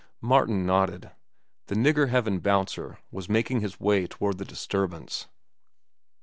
Martin nodded. The nigger heaven bouncer was making his way toward the disturbance.